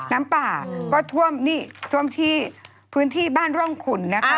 น้ำป่าก็ท่วมพื้นที่บ้านร่องขุ่นนะคะ